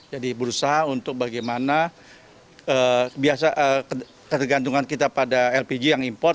berusaha untuk bagaimana ketergantungan kita pada lpg yang import